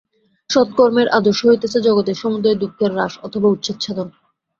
সৎ কর্মের আদর্শ হইতেছে জগতের সমুদয় দুঃখের হ্রাস অথবা উচ্ছেদ-সাধন।